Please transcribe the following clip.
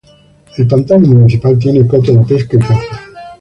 El pantano municipal tiene coto de pesca y caza.